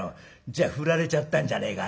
じゃあフラれちゃったんじゃねえかよ」。